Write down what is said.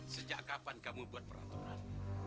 sejak kapan kamu buat peraturan